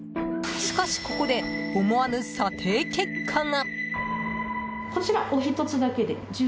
しかしここで思わぬ査定結果が。